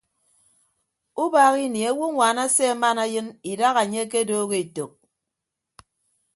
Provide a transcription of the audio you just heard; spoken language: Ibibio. Ubaak ini awonwaan ase aman ayịn idaha anye akedooho etәk.